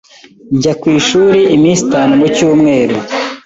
Njya ku ishuri iminsi itanu mu cyumweru.